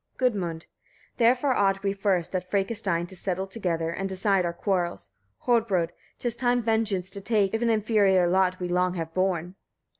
Gudmund. 19. Therefore ought we first, at Frekastein, to settle together, and decide our quarrels! Hodbrodd! 'tis time vengeance to take, if an inferior lot we long have borne.